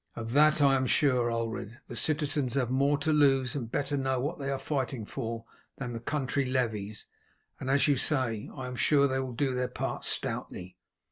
"Of that I am sure, Ulred. The citizens have more to lose and better know what they are fighting for than the country levies, and as you say, I am sure they will do their part stoutly.